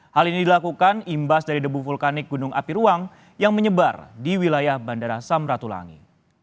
hal ini dilakukan imbas dari debu vulkanik gunung api ruang yang menyebar di wilayah bandara samratulangi